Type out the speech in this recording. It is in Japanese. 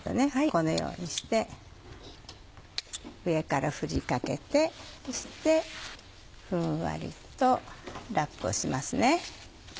このようにして上から振りかけてそしてふんわりとラップをしますね。